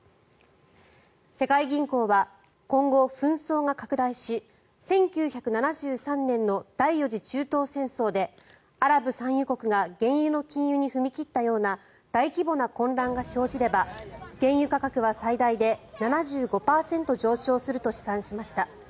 世界銀行は今後、紛争が拡大し１９７３年の第４次中東戦争でアラブ産油国が原油の禁輸に踏み切ったような大規模な混乱が生じれば原油価格は、最大で７５％上昇すると試算しました。